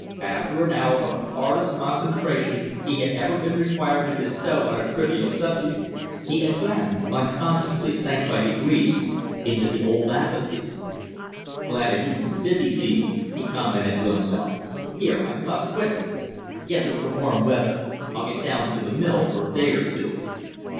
After an hour of the hardest concentration he had ever been required to bestow on a trivial subject, he again unconsciously sank by degrees into the old apathy. "Glad it isn't the busy season!" he commented to himself. "Here, I must quit this! Guess it's the warm weather. I'll get down to the mill for a day or two."